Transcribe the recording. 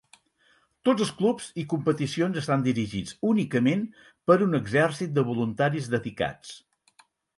Tots els clubs i competicions estan dirigits únicament per un exèrcit de voluntaris dedicats.